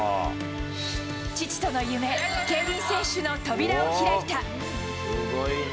父との夢、競輪選手の扉を開いた。